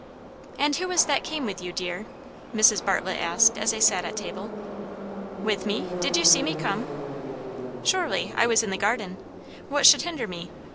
"And who was that came with you, dear?" Mrs. Bartlett asked as they sat at table. "With me? Did you see me come?" "Surely. I was in the garden. What should hinder me?